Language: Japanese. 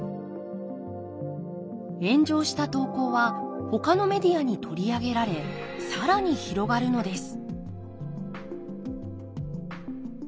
炎上した投稿はほかのメディアに取り上げられ更に広がるのです。